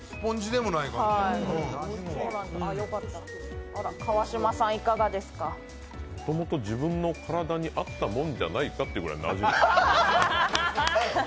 もともと自分の体にあったもんじゃないかってぐらいなじむ。